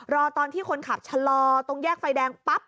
รอตอนที่คนขับชะลอตรงแยกไฟแดงปั๊บ